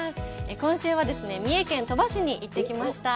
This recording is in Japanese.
今週はですね、三重県鳥羽市に行ってきました。